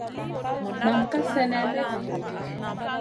Nam ka slenè may zihim ɗi.